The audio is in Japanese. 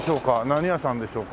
何屋さんでしょうか。